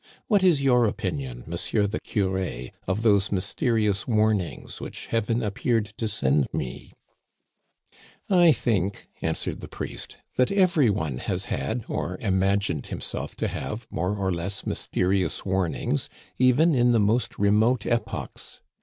What is your opinion. Monsieur the Curé, of those mysterious warnings which Heaven ap peared to send me ?"" I think," answered the priest, " that every one has had, or imagined himself to have, more or less mysteri ous warnings, even in the most remote epochs.